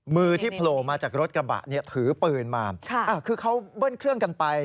มือที่โผล่มาจากรถกระบะเนี่ยถือปืนมาคือเขาเบิ้ลเครื่องกันไป